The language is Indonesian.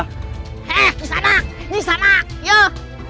he'eh disana disana yuk